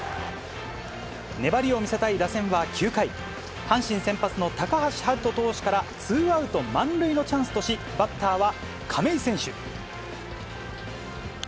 粘りを見せたい打線は９回、阪神先発の高橋遥人投手からツーアウト満塁のチャンスとし、バッターは亀井選手。